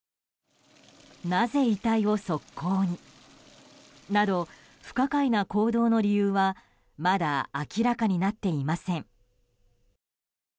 なぜ遺体を側溝になど不可解な行動の理由はまだ明らかになっていません。